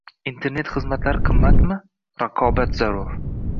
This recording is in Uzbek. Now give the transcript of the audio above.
Internet xizmatlari qimmatmi? Raqobat zarur